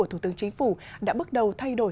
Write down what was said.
thủ tướng chính phủ đã bước đầu thay đổi